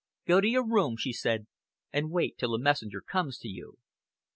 "Go to your room," she said, "and wait till a messenger comes to you."